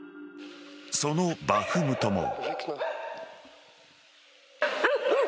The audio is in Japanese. そのバフムトも。